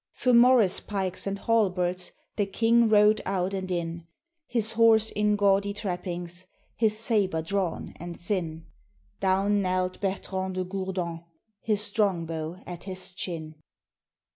Thro' morris pikes and halberds The king rode out and in, His horse in gaudy trappings, His sabre drawn and thin: Down knelt Bertrand de Gourdon His strongbow at his chin.